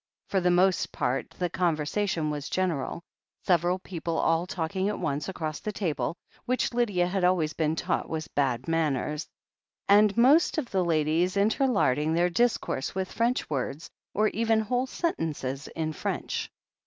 For the most part the conversation was general, several people all talking at once across the table — which Lydia had always been taught was Bad Manners THE HEEL OF ACHILLES 227 — ^and most of the ladies interlarding their discourse with French words, or even whole sentences in French.